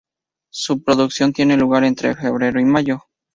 Su reproducción tiene lugar entre febrero y mayo.